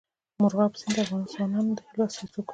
مورغاب سیند د افغان ځوانانو د هیلو استازیتوب کوي.